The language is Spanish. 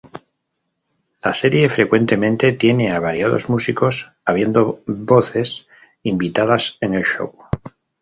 La serie frecuentemente tiene a variados músicos habiendo voces invitadas en el show.